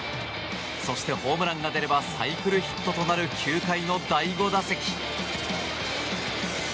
そしてホームランが出ればサイクルヒットとなる９回の第５打席。